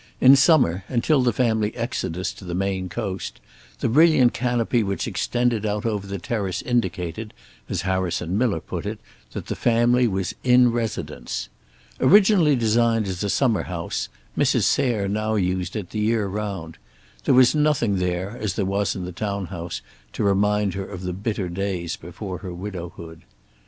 In summer, until the family exodus to the Maine Coast, the brilliant canopy which extended out over the terrace indicated, as Harrison Miller put it, that the family was "in residence." Originally designed as a summer home, Mrs. Sayre now used it the year round. There was nothing there, as there was in the town house, to remind her of the bitter days before her widowhood.